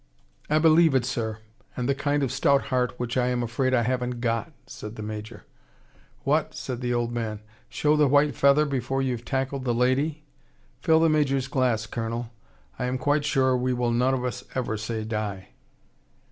"I believe it, sir: and the kind of stout heart which I am afraid I haven't got," said the Major. "What!" said the old man. "Show the white feather before you've tackled the lady! Fill the Major's glass, Colonel. I am quite sure we will none of us ever say die."